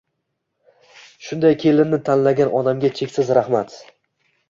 Shunday kelinni tanlagan onamga cheksiz rahmat!